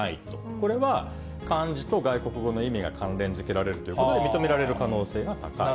これは漢字と外国語の意味が関連づけられるということで、認められる可能性が高い。